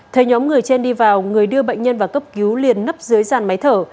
thấy nhóm người trên đi vào người đưa bệnh nhân vào cấp cứu liền nấp dưới dàn máy thở